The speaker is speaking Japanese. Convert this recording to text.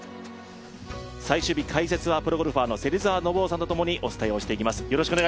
最終日解説はプロゴルファー、芹澤信雄さんとともにお伝えしていきます。